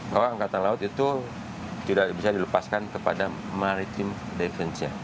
bahwa angkatan laut itu tidak bisa dilepaskan kepada maritim defense ya